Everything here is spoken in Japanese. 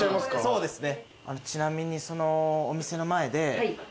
そうですね